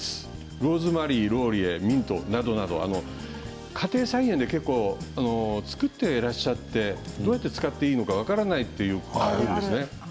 ローズマリー、ローリエミントなどなど家庭菜園で結構作っていらっしゃってどうやって使っていいのか分からないという方いると思うんですね。